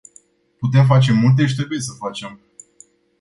Putem face multe și trebuie să facem.